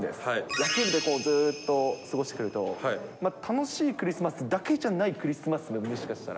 野球部でずっと過ごしてると、楽しいクリスマスだけじゃないクリスマスも、もしかしたら。